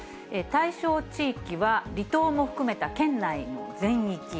対象地域は、離島も含めた県内の全域。